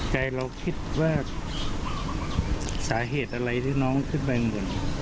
ใจเราคิดว่าสาเหตุอะไรที่น้องขึ้นไปเหมือน